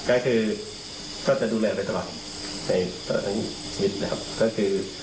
ก็คือชอบแต่ดูแลไปตลอดในตอนนั้นนิดนะครับ